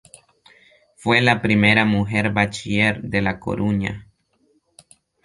Fue la primera mujer bachiller de La Coruña.